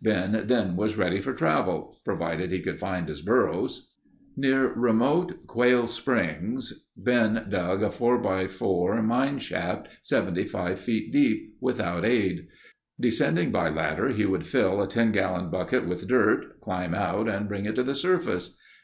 Ben then was ready for travel—provided he could find his burros. Near remote Quail Springs Ben dug a 4×4 mine shaft 75 feet deep, without aid. Descending by ladder he would fill a 10 gallon bucket with dirt, climb out and bring it to the surface.